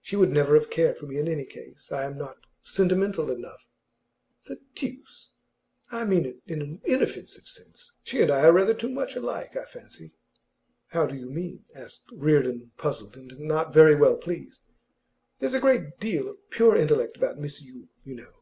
She would never have cared for me in any case; I am not sentimental enough.' 'The deuce!' 'I mean it in an inoffensive sense. She and I are rather too much alike, I fancy.' 'How do you mean?' asked Reardon, puzzled, and not very well pleased. 'There's a great deal of pure intellect about Miss Yule, you know.